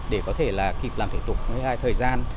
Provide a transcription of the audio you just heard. để có thể là kịp làm thể tục với hai thời gian